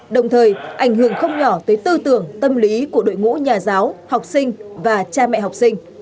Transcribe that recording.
đồng thời ảnh hưởng không nhỏ tới tư tưởng tâm lý của đội ngũ nhà giáo học sinh và cha mẹ học sinh